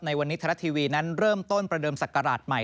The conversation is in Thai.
ในวันนี้ไทยรัฐทีวีนั้นเริ่มต้นประเดิมศักราชใหม่